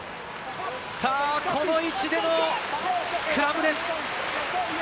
この位置でのスクラムです。